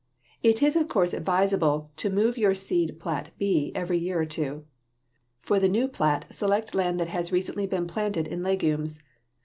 It is of course advisable to move your seed plat B every year or two. For the new plat select land that has recently been planted in legumes.